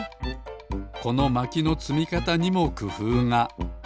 このまきのつみかたにもくふうが。